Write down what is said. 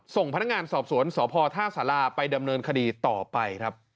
ส่งพนักงานสอบสวนสพท่าสาราไปดำเนินคดีต่อไปครับ